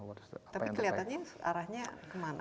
tapi kelihatannya arahnya kemana